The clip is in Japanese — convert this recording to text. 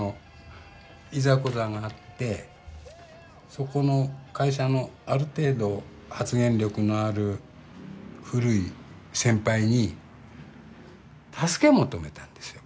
そこの会社のある程度発言力のある古い先輩に助け求めたんですよ